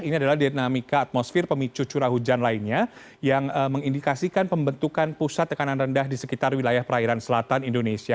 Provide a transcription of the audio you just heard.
ini adalah dinamika atmosfer pemicu curah hujan lainnya yang mengindikasikan pembentukan pusat tekanan rendah di sekitar wilayah perairan selatan indonesia